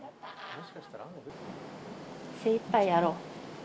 精いっぱいやろう。